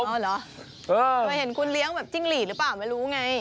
เคยเห็นคุณเลี้ยงแบบจิ้งหลีดหรือเปล่าไม่รู้ไง